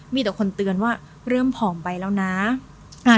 มีแต่คนเตือนว่าเริ่มผอมไปแล้วนะ